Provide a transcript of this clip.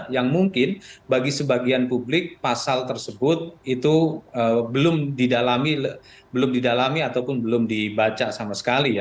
yang mungkin bagi sebagian publik pasal tersebut itu belum didalami ataupun belum dibaca sama sekali ya